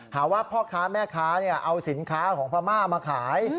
หาว่าพ่อค้าแม่ค้าเอาสินค้าของพม่ามาขาย